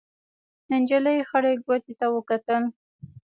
نجلۍ خړې کوټې ته وکتل.